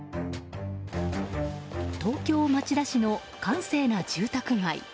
東京・町田市の閑静な住宅街。